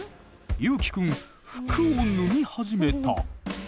ゆうきくん服を脱ぎ始めた。